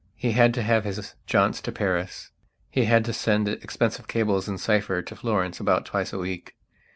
He had to have his jaunts to Paris; he had to send expensive cables in cipher to Florence about twice a week.